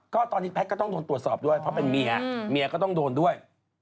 ก็ตอนนี้แพทย์ก็ต้องโดนตรวจสอบด้วยเพราะเป็นเมียเมียก็ต้องโดนด้วย